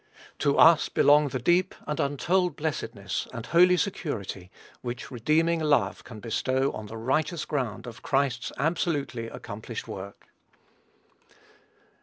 To us belong the deep and untold blessedness and holy security which redeeming love can bestow on the righteous ground of Christ's absolutely accomplished work.